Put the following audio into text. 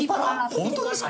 本当ですか？